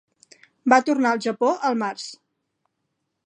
Va tornar al Japó al març.